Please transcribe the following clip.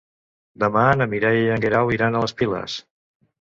Demà na Mireia i en Guerau iran a les Piles.